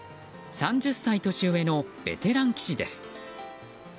３０歳年上のベテラン棋士です。